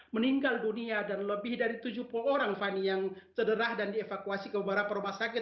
meninggal dunia dan lebih dari tujuh puluh orang fani yang cederah dan dievakuasi ke beberapa rumah sakit